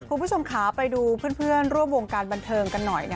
คุณผู้ชมค่ะไปดูเพื่อนร่วมวงการบันเทิงกันหน่อย